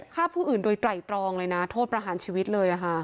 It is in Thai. ฆ่าผู้อื่นโดยไตรตรองเลยนะโทษประหารชีวิตเลย